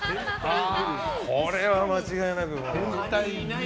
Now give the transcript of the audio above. これは間違いなく、僕。